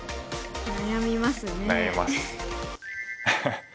悩みます。